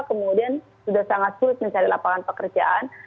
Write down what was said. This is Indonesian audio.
kemudian sudah sangat sulit mencari lapangan pekerjaan